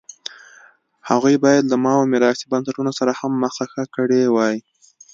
هغوی باید له ماوو میراثي بنسټونو سره هم مخه ښه کړې وای.